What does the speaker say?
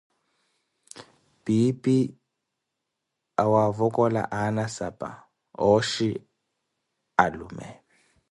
Piipi awavokola aana sapa, ooxhi alume.